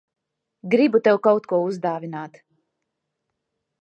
Gribu tev kaut ko uzdāvināt.